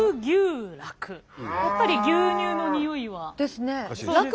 やっぱり牛乳のにおいは。ですね。